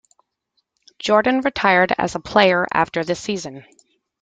Jordan retired as a player after the season.